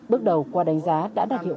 bước đầu qua đánh giá đã đạt hiệu